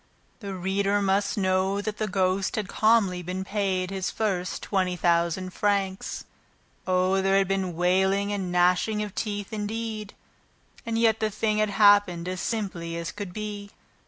The reader must know that the ghost had calmly been paid his first twenty thousand francs. Oh, there had been wailing and gnashing of teeth, indeed! And yet the thing had happened as simply as could be.